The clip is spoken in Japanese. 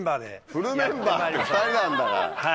フルメンバーって２人なんだから！